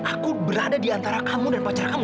aku berada diantara kamu dan pacar kamu